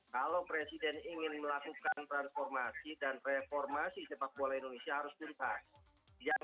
kalau presiden ingin melakukan transformasi dan reformasi sepak bola indonesia harus tuntas